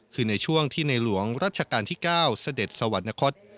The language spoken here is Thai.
คือในช่วงที่ในหลวงราชการที่เก้าสเด็จสวัสดิ์อนห์คช